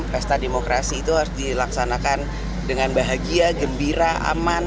pesta demokrasi itu harus dilaksanakan dengan bahagia gembira aman